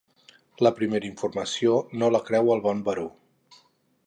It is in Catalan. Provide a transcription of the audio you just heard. La primera informació no la creu el bon baró.